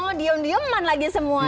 oh diem dieman lagi semuanya